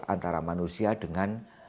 antara manusia dengan